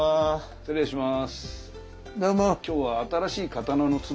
失礼します。